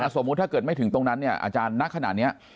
สมมุติถ้าเกิดไม่ถึงตรงนั้นเนี่ยอาจารย์ณขณะนี้